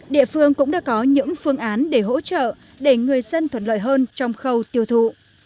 địa phương cũng đã có những phương án để hỗ trợ để người dân thuận lợi hơn trong khâu tiêu thụ